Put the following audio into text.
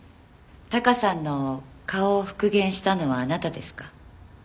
タカさんの顔を復元したのはあなたですか？